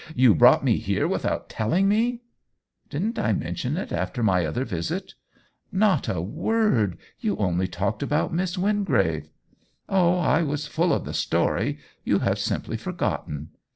You brought me here without telling me ?"" Didn't I mention it after my other visit ?" "Not a word. You only talked about Miss Wingrave." " Oh, I was full of the story — you have simply forgotten."